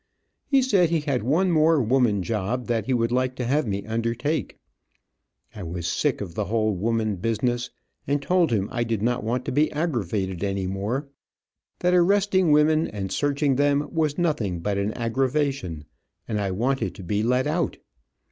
He said he had one more woman job that he would like to have me undertake. I was sick of the whole woman business, and told him I did not want to be aggravated any more; that arresting women and searching them, was nothing but an aggravation, and I wanted to be let out.